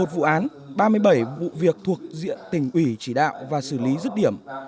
một mươi một vụ án ba mươi bảy vụ việc thuộc diện tỉnh ủy chỉ đạo và xử lý dứt điểm